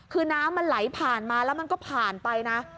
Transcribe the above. คือน้ำมันไหลผ่านมาแล้วมันก็ผ่านไปนะ